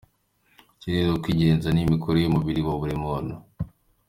Ikindi tutakwirengagiza ni imikorere y’umubiri wa buri muntu.